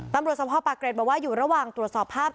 ตำรวจสมภาพปาร์ทเกศบอกว่าอยู่ระหว่างตรวจสอบภาพ